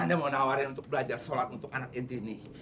anda mau nawarin untuk belajar sholat untuk anak inti nih